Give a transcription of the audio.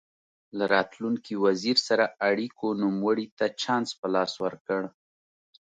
له راتلونکي وزیر سره اړیکو نوموړي ته چانس په لاس ورکړ.